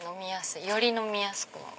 より飲みやすくなる。